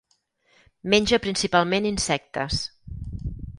Menja principalment insectes.